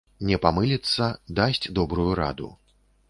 Не памыліцца, дасць добрую раду.